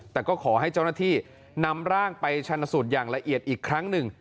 แต่ก็ขอให้เจ้าหน้าที่นำร่างไปชันสูตรอย่างละเอียดอีกครั้งหนึ่ง